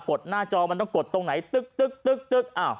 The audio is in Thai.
ดหน้าจอมันต้องกดตรงไหนตึ๊ก